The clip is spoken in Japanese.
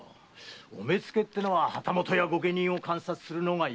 “お目付”ってのは旗本や御家人を監察するのが役目だ。